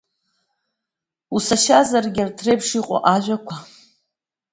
Усашьазаргьы, арҭ реиԥш иҟоу ажәақәа!